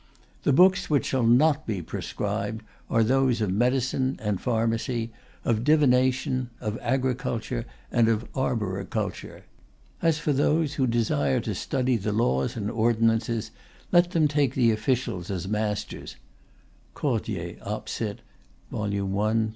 The books which shall not be proscribed are those of medicine and pharmacy, of divination ..., of agriculture and of arboriculture. As for those who desire to study the laws and ordinances, let them take the officials as masters. (Cordier, op. cit. i. p.